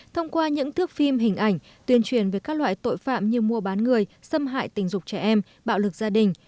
thông qua những thước phim hình ảnh tuyên truyền về các loại tội phạm như mua bán người xâm hại tình dục trẻ em bạo lực gia đình